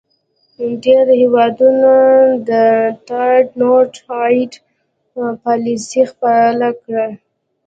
ډیری هیوادونو د Trade not aid پالیسي خپله کړې.